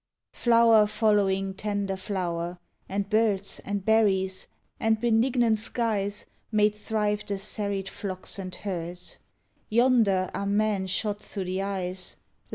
Flower following tender flower; and birds, And berries; and benignant skies Made thrive the serried flocks and herds.— Yonder are men shot through the eyes.